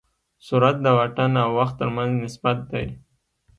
سرعت د واټن او وخت تر منځ نسبت دی.